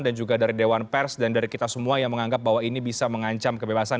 juga dari dewan pers dan dari kita semua yang menganggap bahwa ini bisa mengancam kebebasan